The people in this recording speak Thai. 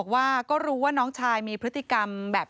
ก็ในกลุ่มนี้ครับ